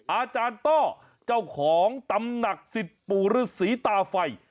อาจารย์ต้อเจ้าของตำหนักสิทธิ์ปู่ฤษีตาไฟ